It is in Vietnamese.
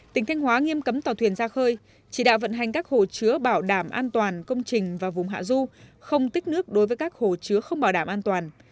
tỉnh thanh hóa nghiêm cấm tàu thuyền ra khơi chỉ đạo vận hành các hồ chứa bảo đảm an toàn công trình và vùng hạ du không tích nước đối với các hồ chứa không bảo đảm an toàn